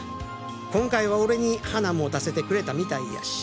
今回は俺に花持たせてくれたみたいやし。